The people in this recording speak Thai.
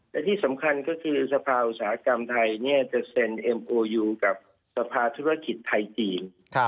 และที่สำคัญก็คือสภาอุตสาหกรรมไทยจะเซ็นเอ็มโอยูกับสภาธุรกิจไทยจีน